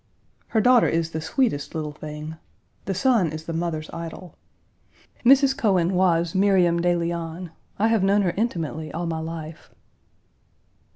Her daughter is the sweetest little thing. The son is the mother's idol. Mrs. Cohen was Miriam de Leon. I have known her intimately all my life.